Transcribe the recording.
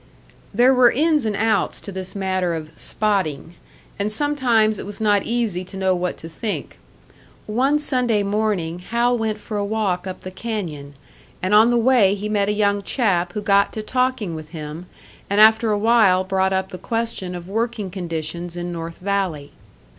There were ins and outs to this matter of "spotting," and sometimes it was not easy to know what to think. One Sunday morning Hal went for a walk up the canyon, and on the way he met a young chap who got to talking with him, and after a while brought up the question of working conditions in North Valley.